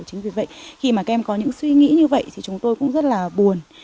chính vì vậy khi mà các em có những suy nghĩ như vậy thì chúng tôi cũng rất là buồn